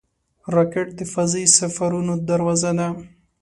راکټ د فضايي سفرونو دروازه ده